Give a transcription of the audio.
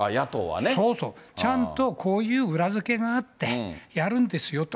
そうそう、ちゃんとこういう裏付けがあって、やるんですよと。